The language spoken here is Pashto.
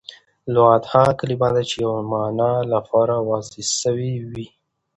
لغت هغه کلیمه ده، چي د یوې مانا له پاره وضع سوی وي.